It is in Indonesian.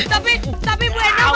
tapi tapi bu endang pak rete